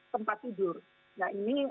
tempat tidur nah ini